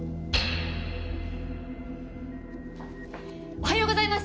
おはようございます！